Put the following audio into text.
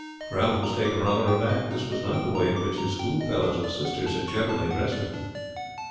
Ralph was taken rather aback. This was not the way in which his schoolfellows' sisters had generally addressed him.